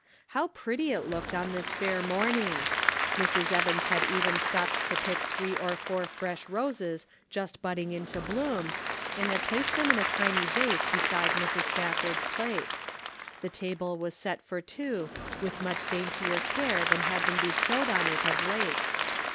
How pretty it looked on this fair morning. Mrs. Evans had even stopped to pick three or four fresh roses just budding into bloom, and had placed them in a tiny vase beside Mrs. Spafford's plate. The table was set for two, with much daintier care than had been bestowed on it of late.